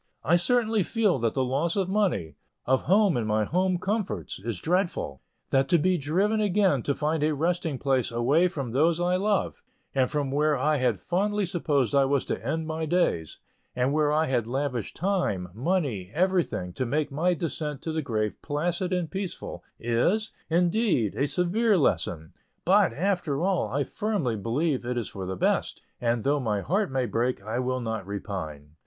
I certainly feel that the loss of money, of home and my home comforts, is dreadful, that to be driven again to find a resting place away from those I love, and from where I had fondly supposed I was to end my days, and where I had lavished time, money, everything, to make my descent to the grave placid and pleasant, is, indeed, a severe lesson; but, after all, I firmly believe it is for the best, and though my heart may break, I will not repine.